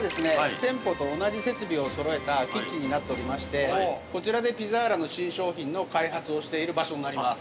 店舗と同じ設備をそろえたキッチンになっておりましてこちらで、ピザーラの新商品の開発をしている場所になります。